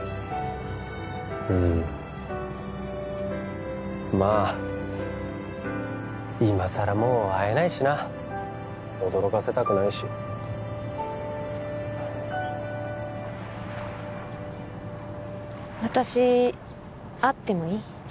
うんまあ今さらもう会えないしな驚かせたくないし私会ってもいい？